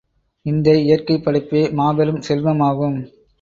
இந்த இயற்கைப் படைப்பே மாபெரும் செல்வம் ஆகும்.